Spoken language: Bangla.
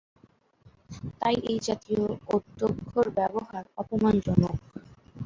তাই এই জাতীয় আদ্যক্ষর ব্যবহার অপমানজনক।